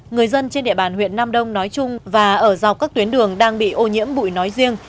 người dân trên địa bàn huyện nam đông nói chung và ở dọc các tuyến đường đang bị ô nhiễm bụi nói riêng